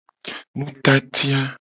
Nutati a.